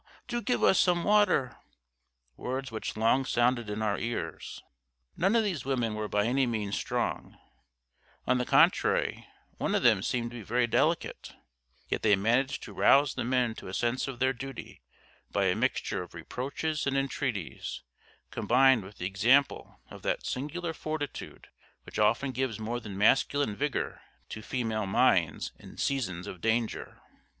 do give us some water" words which long sounded in our ears. None of these women were by any means strong on the contrary, one of them seemed to be very delicate; yet they managed to rouse the men to a sense of their duty by a mixture of reproaches and entreaties, combined with the example of that singular fortitude which often gives more than masculine vigour to female minds in seasons of danger.